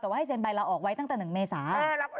แต่ว่าให้เซ็นใบเราออกไว้ตั้งแต่๑เมษา